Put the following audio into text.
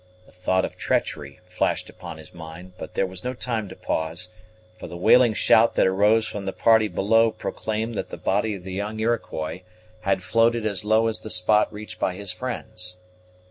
The thought of treachery flashed upon his mind, but there was no time to pause, for the wailing shout that arose from the party below proclaimed that the body of the young Iroquois had floated as low as the spot reached by his friends.